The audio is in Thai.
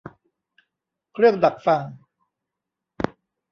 เครื่องดักฟัง